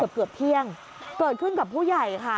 เกือบเที่ยงเกิดขึ้นกับผู้ใหญ่ค่ะ